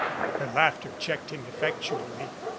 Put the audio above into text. Her laughter checked him effectually.